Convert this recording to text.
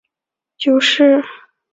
其子王震绪也是一名小说家。